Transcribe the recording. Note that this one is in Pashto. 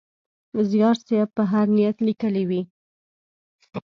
زیار صېب په هر نیت لیکلی وي.